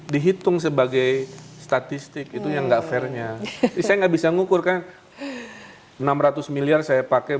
dihitung sebagai statistik itu yang gak fair nya bisa nggak bisa ngukurkan enam ratus miliar saya pakai